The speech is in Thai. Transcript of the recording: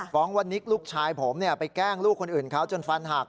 ว่านิกลูกชายผมไปแกล้งลูกคนอื่นเขาจนฟันหัก